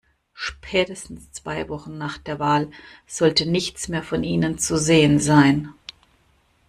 Spätestens zwei Wochen nach der Wahl sollte nichts mehr von ihnen zu sehen sein.